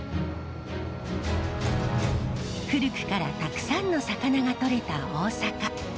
古くからたくさんの魚が捕れた大阪。